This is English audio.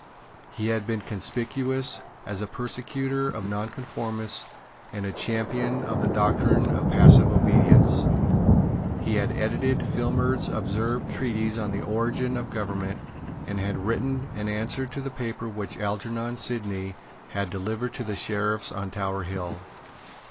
He had been conspicuous as a persecutor of nonconformists and a champion of the doctrine of passive obedience. He had edited Filmer's absurd treatise on the origin of government, and had written an answer to the paper which Algernon Sidney had delivered to the Sheriffs on Tower Hill.